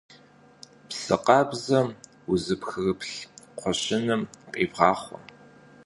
Псы къабзэ, узыпхырыплъыр кхъуэщыным къивгъахъуэ.